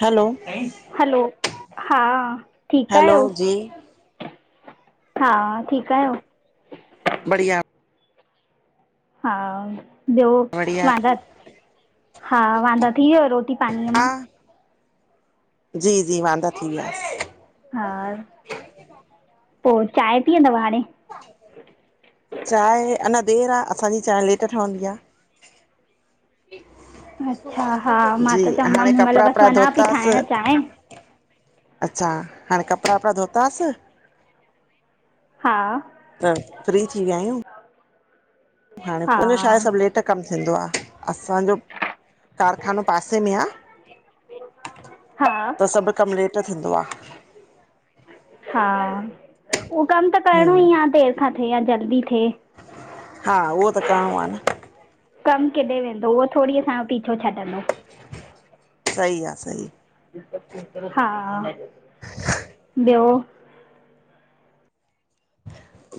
Hello hello हा ठीक hello आहियो, जी हा ठीक आहियो? बढ़िया। हा ॿियो बढ़िया वांदा हा, वांदा थी वयव रोटी पाणीअ मां? हा जी -जी, वांदा थी वियासि। हा, पो चांहि पीअंदव हाणे? चांहि अञा, देर आ असांजी चांहि लेट ठहंदी आ। [inaudible] अच्छा, हा मां जी त चयम हाणे में हिमहिल कपिड़ा बस वपड़ा वञा थी धोतासीं ठाहिण चाहिं। अच्छा हाणे कपिड़ा वपिड़ा धोतासीं। हा त फ्री थी विया आहियूं। हाणे, हा मुंहिंजो छा आहे सभ लेट कम थींदो आ, असांजो कारखानो पासे में आ। हा त सभ कम लेट थींदो आ। हा उह कम त करिणो हम ही आ देर खां थिए या जल्दी थिए। हा उहो त करिणो आ न। कम किॾे वेंदो उहो थोडी असांजो पीछो छॾंदो। सही आ सही। हा, ॿियो?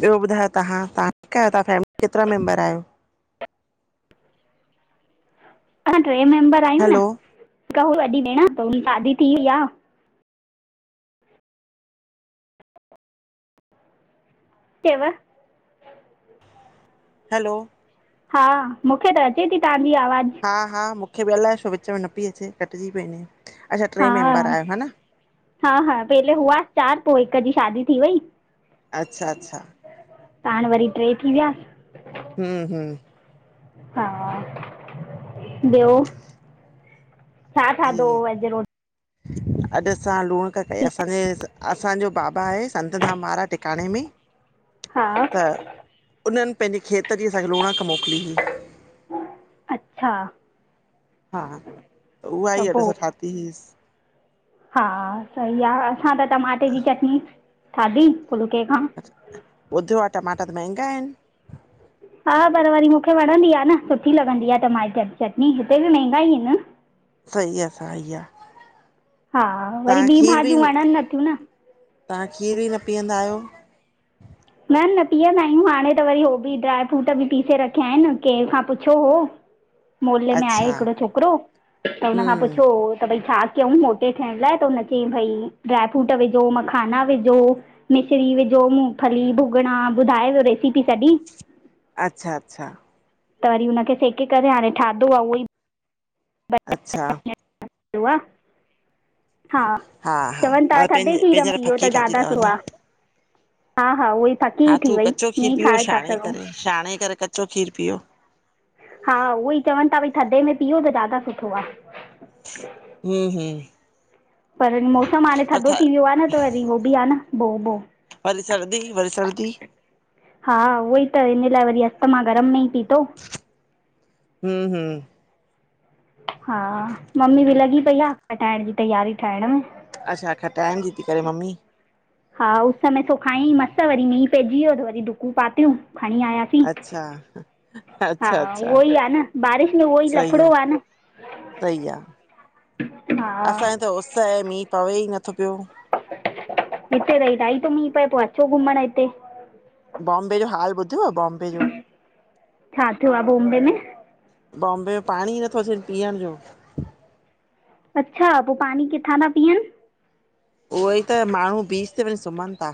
ॿियो ॿुधायो तव्हां, तव्हां ठीक आहियो, तव्हां फैमिली में केतिरा मेंबर आहियो? असां ट्रे मेम्बर आहियूं न, हैलो हिक हुई वॾी भेण त हुन जी शादी थी वई आ। [unintelligible] हैलो हा, मूंखे त अचे ती तव्हांजी आवाज़। हा- हा मूंखे बि, अलाए छो विच में न पई अचे कटिजी पई वञे। अच्छा टे हा, मेंबर आहियो हा न हा -हा पहिले हुआस चार पो हिक जी शादी थी वई। अच्छा अच्छा त हाणे वरी ट्रे थी वियासि। हम्म हम्म। हा, ॿियो छा जी खाधो हुव अॼु रोटी अॼु असां लूणक कई असांजे, असांजो बाबा आहे स संतधाम महाराज टिकाणे में हा त उन्हनि पंहिंजे खेत जी असांखे लोणक मोकिली ही। अच्छा हा, त उहा ही असां ठाती ईसि। हा सही आ, असां त टमाटे जी चटनी खाधी, फुलके खां। ॿधो आ टमाटा त महंगा आहिन। हा पर वरी मूंखे वणंदी आ न सुठी लॻंदी आ टमाटे चटनी हिते बि महंगा ई आहिन। सही आहे सही आहे हा वरी तव्हां ॿी खीर बि भाॼियूं वॾन नथियूं न। तव्हां खीर ई न पीअंदा आहियो। न न पीअंदा आहियूं हाणे त वरी उह बि ड्राय फ्रूट बि पीसे रखिया आहिन कंहिं खां पुछो हो। मोले में आहे अच्छा हिकिड़ो छोकिरो त हुन खां हम्म पुछो त भई छा कयूं मोटे थियण लाइ त हुनखे भई ड्रायफ्रूट विझो मखाना विझो मिश्री विझो मूंगफली भुगॾा ॿुधाइ वयो रेसिपी सॼी। अच्छा अच्छा। त वरी हुनखे सेके करे हाणे ठाधो आहे उहो ई। अच्छा अो आहे [unintelligible] हा हा हा चवनि था मां थधे पंहिंजे खीर पंहिंजे मे लाइ इहो फकी त ठाती ज्यादा अथव न सुवा आ हा हा उहई फक्की हा थी थू वई कचो इअं खीर ई पीओ खाए था छाणे सघूं। करे छाणे करे कचो खीर पीओ। हा उहो ई चवनि था भई थधे में पीओ त ज्यादा सुठो आ। हिम़ हिम़ पर मौसम हाणे थधो थी वियो आ न त वरी उहो बि आ न भो बो वरी सर्दी वरी सर्दी [unintelligible] हा उहोई त हिन लाइ वरी अस्तथमा गरम में ई पीतो। हिम़ हिम़ हा मम्मी बि लॻी पई आ खटाइहिण जी तयारी ठाहिण में अच्छा टाइम जी थी करे मम्मी हा उस में सु खायं मस वरी मींह पइजी वियो त वरी ॾुकूं पातियूं खणी आयासीं। अचछा हा अच्छा अच्छा। उहो ई आहे न बारिश में उहो ई लफड़ो आ न सही आ हा असांज त उस ऐं मींह पवे ई नथो पियो हिते तई ताई त मीं पए पोइ अचू घुमण हिते बॉम्बे जो हाल ॿुधव बॉम्बे जो छा थियो आहे बॉम्बे में बॉम्बे में पाणी ई नथो अचे न पीअण जो अच्छा पोइ पाणी किथां था पीअनि? उहो ई त माण्हू बीच ते वञी सुम्हनि था।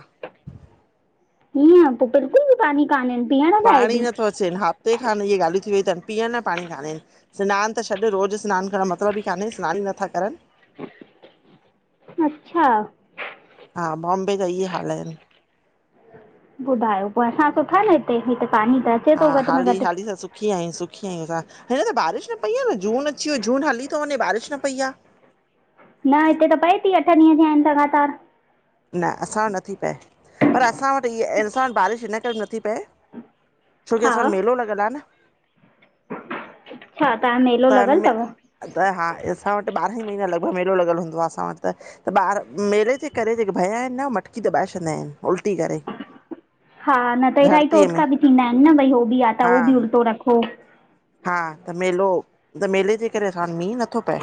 ईअं पोइ बिल्कुल बि पानी कान्हे पीअण लाइ बी। ट्न हफ़्ते खां न इहे ॻाल्हियूं थी वयूंथनि पीअण न पाणी कान्हे। सिनान त छॾु रोज़ु सिनान करणु जो मतलब ई कान्हे सिनान ई नथा करनि। अच्छा हा बॉम्बे ज इहे हाल आहिन। ॿुधायो पो असां सुठा न हिते हिते पानी थस हा हाली हाली सां सु सुखी आयू सुखी आयूअसां हिन त बारिश न पई आहे न जून अची वियो जून हली थो वञे बारिश न पई आ। न हिते त पए थी अठ ॾींहं थिया आहिन लॻातार। न असां वट् नथी पए पर असां वट् इहा असां वट् बारिश इन करे बि नथी पए। छोकी हा असां वट् मेलो लॻल आ न। छा तहां तो मेलो त लॻियल मे तव? त हा असां वटि ॿारहं महीना लॻभॻ मेलो लिॻियलु हूंदो असां वटि त। त ॿार मेले जे करे जेके भया आहिनि न मटकी दॿाए छॾंदा आहिनि उल्टी करे। हा न त इलाही धरतीअ में टोटका बि थींदा आहिनि न, भई हो हो बि आहे त हा उहो बि उल्टो रखो। हा त मेलो त मेले जे करे असां वट मींहुं नथो पए।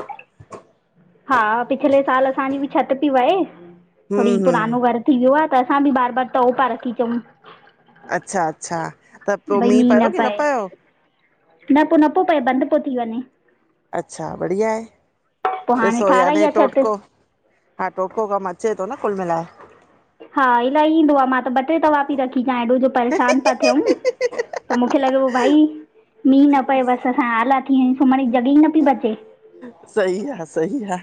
हा पिछले साल असांजी बि छति पई वहे हम्म थोरी हम्म पुरानो घरु थी वियो आ त असां बि बार बार तओ पा रखी अचंऊ। अच्छा अच्छा, त पो मींहुं पियो की न पियो? न पो न पो पए बंदि पो थी वञे। अच्छा बढ़िया आहे पोइ हाणे ॾिसों ठाहिराई याने आहे छिति टोटको हा टोटको कमु अचे थो न कुल मिलाए। हा इलाही ईंदो आ मां त ॿ टे तवा पई रखी अचां ऐॾो जो परेशानु पिया थयूं। त मूंखे लॻे प भाई मींहुं न पए बसि असां आला थी वया सुम्हण जी जॻहि ई न पई बचे। सही आ, सही आ,।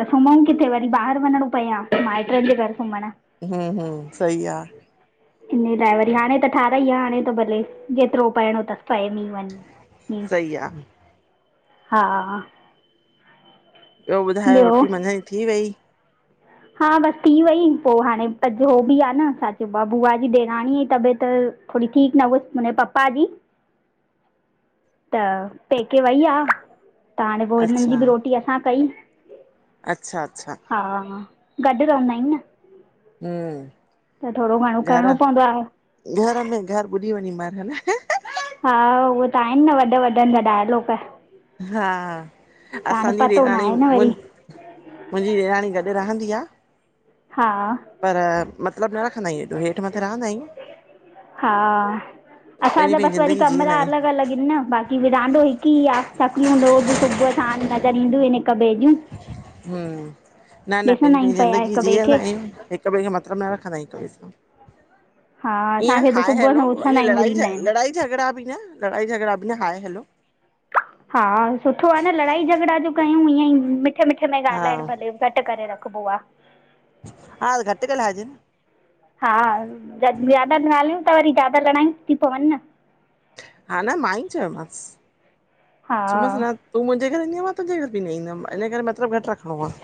त सुम्हूं किथे वरी ॿाहिरि वञिणो पए आ माइटनि जे घर सुमण। हां, हां सही आ। इन ड्राइवरी हाणे त ठारहाई आ, हाणे त भले जेतिरो पाइणो सि पए मींहुं। सही आहे हा। ॿियो ॿुधायो रोटी मंझद जी थी वई? हा बसि थी वई पो हाणे अॼ ओ बि आ न छा चइब आ बुआ जी ॾेराणीअ जी तबियत थोड़ी ठीकु न हुई उनजे पपा जी। त पेके वई आ, त हाणे पो हिननि जी अच्छा बि रोटी असां कई। अच्छा अच्छा। हा गॾु रहंदा आहियूं न। हां, त थोरो घणो घर करिणो पवंदो आहे घर में घरु ॿुॾी वञी मरु। हा उहे त आहिनि न वॾनि वॾनि जा डायलॉग। हा हाणे असांजी पतो न ॾेराणी आहे न मु वरी मुंजी ॾेराणी गॾु रहंदी आ। हा। पर मतिलबु न रखंदा आहियूं एॾो हेठि मथे रहंदा आहियूं। हा पंजी असांजा पंजी बसि वरी ज़िंदगी थींदा कमिरा आहियूं। अलॻि अलॻि बाक़ी विरांडो हिकु ई आ। शकलियूं दो हु सुबुह साणु नज़र ईंदियूं आहिनि हिक ॿिए जूं। [inaudible] हां, न न ॾिसंदा पंहिंजी आहियूं पंहिंजी पिया ज़िंदगी हिक ॿिए जीअंदा खे आहियूं। हिक ॿिए खे मतिलबु न रखंदा आहियूं हिक ॿिए सां। हा ईअं असांखे त हाय सुबुह हलो सां उथंदा ईअं आहियूं लड़ा उरींदा आहिनि लड़ाई झगड़ा बि न लड़ाई झगड़ा बि न हाय हलो। हा सुठो आ न लड़ाई झगड़ा जो कयूं इअं ई मिठे मिठे में हा ॻाल्हाइणु भले घटि करे रखबो आ। हा घटु ॻाल्हाए जे। हा ज ज्यादा ॻाल्हियूं त वरी ज्यादा लड़ायूं थी पवनि न। हा न मांई चयोमांसि। चोमासि स हा न तूं मुंहिंजे घरु ईंदीअ, मां तुंहिंजे घरु बि न ईंदम इन करे मतिलबु घटि रखणो आ।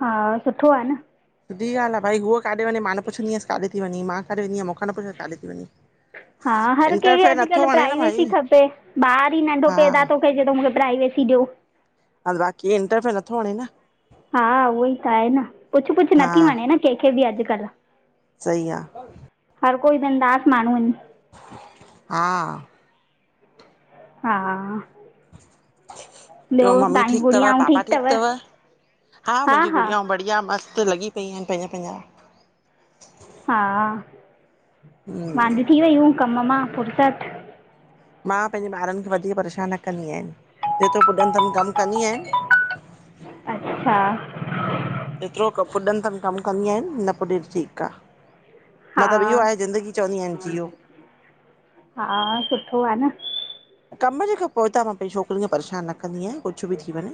हा सुठो आ न। सुठी ॻाल्हि आ, भई हूअ काॾे वञे मां न पुछंदी आयासि काॾे ती वञी, मां काॾे वेंदी आया मुंजा न पुछंदी आ कॾे ती वञी। हा हर कंहिंखे अॼुकल्ह भाई प्राइवेसी खपे, ॿार ई नंढो हा पैदा थो हे चवे थो मूंखे प्राइवेसी ॾियो। हा बाक़ी इंट्रफीयर नथो वणे नं। हा उहोई त आहे न, पुछु-पुछु हा नथी वणे न कंहिंखे बि अॼुकल्ह। सही आहे। हर कोई बिंदास माण्हू आहिनि। हा। हा। ॿियो बियो मम्मी तव्हांजी ठीकु अथव? गुड़ियाऊं पापा ठीकु अथव? हा मुंहिंजी गुड़ियाऊं बढ़िया मस्तु लॻी पई आहिनि, पंहिंजा पंहिंजा हा हम्म वांदी थी वयूं, कमु मां फुर्सत मां पंहिंजे ॿारुनि खे वधीकु परेशान न कंदी आहियांनि, जेतिरो पुॼनिदमि कमु कंदी आहियांनि। अच्छा। जेतिरो क पुॼनिदमि कमु कंदी आहियानि न पुॼे ठीकु आहे। हा मतिलबु इहो आहे ज़िंदगी, चवंदी आहियानि जीओ। हा, सुठो आहे न। कमु जे खां पोइता मां पंहिंजी छोकिरियअ खे परेशानु न कंदी आहियां। कुझु बि थी वञे,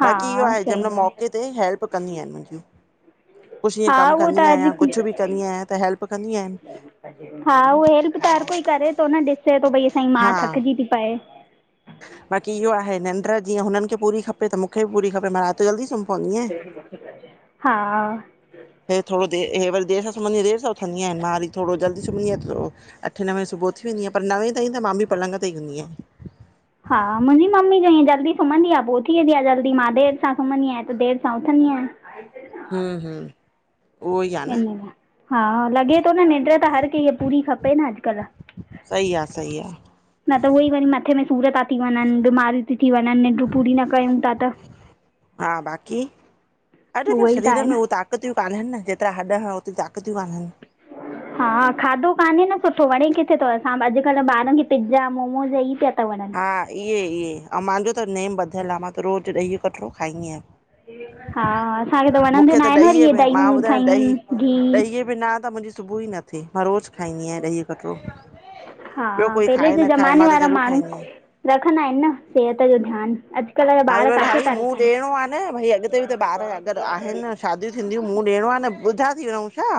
हा बाक़ी इहो आहे जंहिं सही महिल आहे मौके उते हेल्प कंदियूं आहिनि मुंहिंजूं। कुझु ईअं हा कमु उहो कंदी त आहियां, कुझु बि अॼु कंदी आहियां त हैल्प कंदी आहिनि। हा उहाई हेल्प त हर कोई करे थो न, ॾिसे थो भई असांजी हा माउ थकिजी थी पए। बाक़ी इहो आहे निंड्र जीअं हुननि खे पूरी खपे, त मूंखे बि पूरी खपे मा हा। हे थोरो दे, हे वरी देरि सां सुम्हंदी आहिनि देरि सां ऊथंदीयूं आहिनि, मां वरी थोरो जल्दी सुम्हंदी आहियां। अठे-नवें सुबुह ऊथी वेंदीयां, पर नवें ताईं त मां बि पलंग ते ई हूंदी आहियां। हा मुंहिंजी मम्मी जो इअं जल्दी सुम्हंदी आहे पो उथी वेंदी आहे जल्दी, मां देरि सां सुम्हंदी आहियां त देरि सां उथंदी आहियां। हम्म-हम्म। हिन लाइ, हा लॻे थो न निंड्र त हर कंहिंखे पूरी खपे न अॼुकल्ह। सही आ-सही आ। न त उहेई वरी मथे में सूर ता थी वञनि, बीमारियूं ती थी वञनि, निंड्रू पूरी न कयूं था त। हा। हा बाक़ी, अॼुकल्ह ई त शरीर आहे में न उहा ताक़त ताकितूं कान्हनि न, हेतिरा हॾ हणो ओतिरीयूं ताकतूं कान्हनि। [inaudible] हा खाधो कान्हे न सुठो, वणे किथे थो असां बि अॼुकल्ह ॿारुनि खे पिज़्ज़ा मोमोस हे ही पिया था वणनि। हा इहे-इहे, आऊं मुंहिंजो त नेम ॿधियलु आहे मां त रोज़ु ॾही जो कटोड़ो खाईंदी आयां। हा असांखे त वणंदो न आहे वरी ॾहीअ इहे में मां ॿुधायां ॾयूं-फयूं, ॾही ॻीहु ॾहीअ बिना त मुंहिंजी सुबुह ई नथ मां रोज़ु खाईंदी आहियां ॾही जो कटोड़ो, हा ॿियो कोई पहले खाए जे न खाए ज़माने मां त वारा ज़रूरु माण्हू खाईंदी आहियां। रखंदा आहिनि न सेहत जो ध्यानु अॼु अरे भाई मूं ॾियणो आहे न भई अॻिते बि त ॿारु अगरि आहिनि न शादियूं थींदियूं मूं ॾियणो आहे न, ॿुॾा थी विहऊं छा?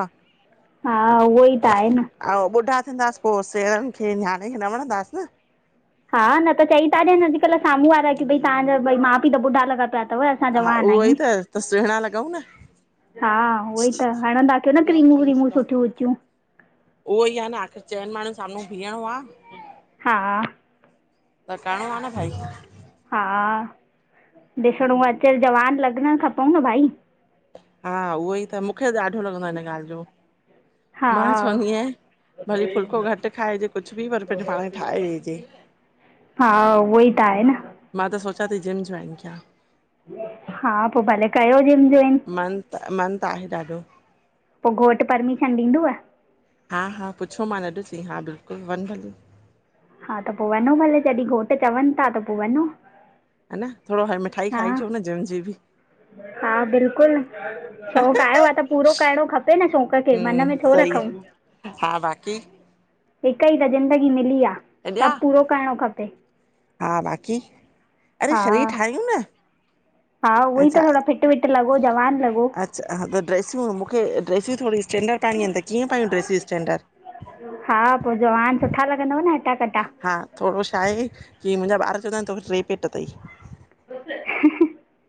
हा उहोई त आहे न। आऊं ॿुॾा थींदासि पो सेणनि खे नियाणे खे न वणंदासीं न। हा न त चई था ॾियनि अॼुकल्ह साम्हूं वारा की भई तव्हांजा बई माउ-पिउ त ॿुॾा लॻा पिया आहिनि। हा उहोई त, त सुहिणा लॻऊं न। हा उहो ई त हाणंदा कयो न क्रीमूं व्रीमूं सुठियूं उचियूं। उहो ई आ न आख़िर चइनि माण्हुनि साम्हूं बीहणो आ। हा। त करणो आ न भाई। हा, ॾिसणु अच जवान लॻणु खपऊ न भई। हा उहो ई त मूंखे ॾाढो लॻंदो आ हिन ॻाल्हि जो। हा मां चवंदी आया भली फुलको घटि खाइजे कुझु बि पर पंहिंजे पाण खे ठाहे वेहिजे। हा उह ई त आहे न। मां त सोचां थी जिम जॉइन कयां। हा पो भले कयो जिम जॉइन। मन त मन त आहे ॾाढो पो घोटु परमिशन ॾींदुअ? हा हा पुछो मान अॾु चई हा बिल्कुलु वञ भली। हा त पो वञो भले जॾहिं घोटु चवनि था त पो वञो। हन थोरो हाणे मिठाई हा खाइ अचो न जीम जी बि। हा बिल्कुलु शौक़ु आयो आ त पूरो करिणो खपे न शौंक़ु खे मन हम्म में छो सही रखूं। हा बाक़ी। हिक ई त ज़िंदगी मिली आ, हेॾया सभ पूरो करणो खपे। हा बाक़ी, अरे हा शरीरु ठाहियूं न। हा उहो ई अच्छा त थोरा फिट विट लॻो जवान लॻो। त ड्रेसूं मूंखे ड्रेसूं थोरीयूं स्टैंडर्ड पाइणूं आहिन त कीअं पायूं ड्रसियूं स्टैंडर्ड? हा पो जवान सुठा लॻंदव न हटा कटा। हा थोरो छा आहे, की मुंहिंजा ॿार चवंदा आहिन तोखे टे पेट तई। [unintelligible]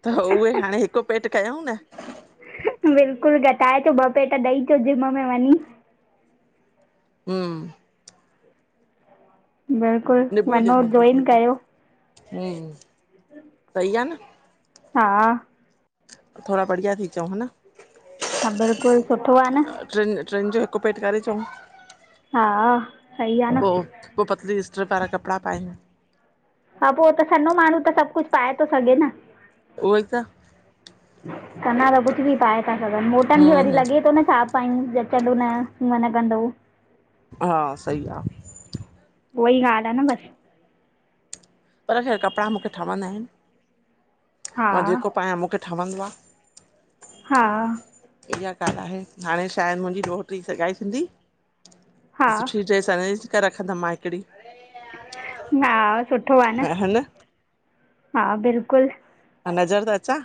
त उहे हाणे हिकु पेट कयूं न। बिल्कुलु घटाएचो ॿ पेट ॾेई अचो जिम में वञी। हा। बिल्कुल निबू वनो हुजेस निबू जॉइन निबू कयो। हम्म सही आ न। हा। थोड़ा बढ़िया थी अचऊं ह न। हा बिल्कुल सुठो आ न। ट्रिन ट्रिन जो हिकु पेट करे अचऊं। हा सही आ। पो पो पतली स्टरीप वारा कपड़ा पाए। हा पो त सन्हो माण्हू त सभु कुझ पाए थो सघे न। उहो ई त। सञा त कुझ बि पाए था सघन मोटन हूं खे वरी हूं लॻे थो न छा अयूं जचंदो न कीअं लॻंदो। हा सही आ। उह ई ॻाल्ह आ न बसि। पर छा कपड़ा मूंखे ठवंदा आहिन। हा मां जेको पायां मूंखे ठहंदो आ। हा। इहा ॻाल्हि आहे हाणे छा आहे मुंहिंजी ॾोहिटरी जी सगाई थींदी। हा सुठी ड्रेस अरेंज करे रखंदमि मां हिकिड़ी। हा, सुठो आ न, हा बिल्कुल। नज़र त अचां।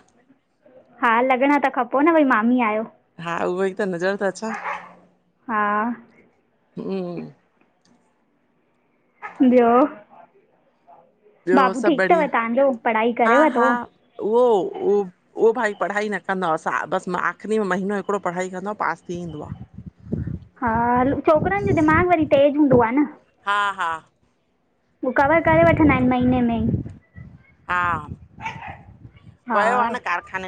हा, लॻणा त खपो न, भई मामी आहियो। हा, उहोई त नज़र त अंचा। हा हूं ॿयो, ॿियो बाबू सभु ठीक तव बढ़िया तांजो, पढ़ाई हा करेव हा तो? उहो उहो उहो भाई, पढ़ाई न कंदो आ, सा बस आख़री में महीनो हिकड़ो पढ़ाई कंदो आ, पास थी ईंदो आ। हा, हल छोकरन जो दिमाग़ वरी तेज हूंदो आ न। हा हा हू कवर करे वठंदा एन, महीने में ईं। हा, वयो आ हा न कारखाने।